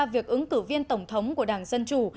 việc ứng cử viên tổng thống của đảng dân chủ